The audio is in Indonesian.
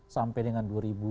sampai dengan dua ribu dua puluh